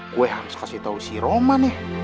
gue harus kasih tau si roman ya